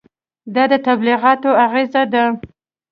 دا د تبلیغاتو اغېزه ده.